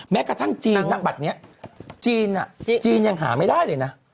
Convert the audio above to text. แม้กระทั่งจีนณบัตรนี้จีนจีนยังหาไม่ได้เลยนะ